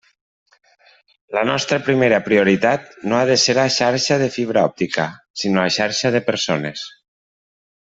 La nostra primera prioritat no ha de ser la xarxa de fibra òptica, sinó la xarxa de persones.